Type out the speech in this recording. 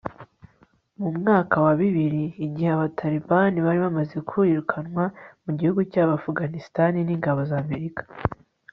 mu mwaka wa bibiri, igihe abatalibani bari bamaze kwirukanwa mu gihugu cya afuganistani n'ingabo z'amerika